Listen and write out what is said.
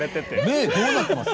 目どうなってます？